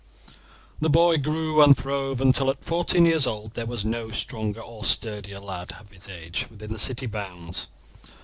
The boy grew and throve until at fourteen years old there was no stronger or sturdier lad of his age within the city bounds.